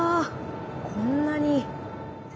こんなに。